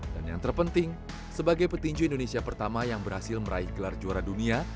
dan yang terpenting sebagai petinju indonesia pertama yang berhasil meraih gelar juara dunia